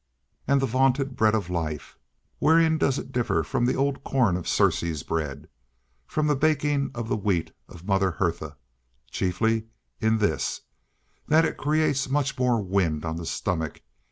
And the vaunted Bread of Life, wherein does it differ from the old corn of Ceres bread, from the baking of the wheat of Mother Hertha? Chiefly in this, that it creates much more wind on the stomach.